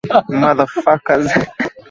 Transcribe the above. watumbuizaji ambao huvutia mashabiki wao